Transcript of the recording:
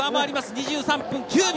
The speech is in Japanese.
２３分９秒。